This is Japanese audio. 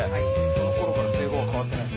そのころから製法は変わってない？